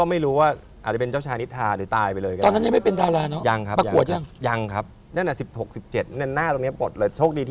แล้วก็๓นี่จะเป็นตรงกระดูก